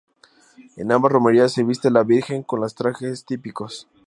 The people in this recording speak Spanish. En ambas romerías se viste a la virgen con los trajes típicos.